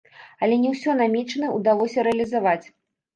Але не ўсё намечанае ўдалося рэалізаваць.